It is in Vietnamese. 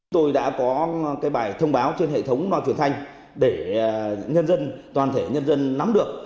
tôi đã có bài thông báo trên hệ thống nói truyền thanh để toàn thể nhân dân nắm được